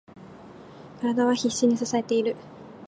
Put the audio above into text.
体は必死に支えている。